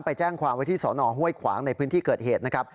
ไปแจ้งความไว้ที่สอนอห้วยขวางในพื้นที่เกิดเหตุนะครับ